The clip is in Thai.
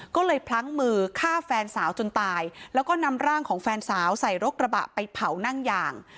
ก็เลยพลั้งมือฆ่าแฟนสาวจนตายแล้วก็นำร่างของแฟนสาวใส่รกระบะไปเผานั่งยาง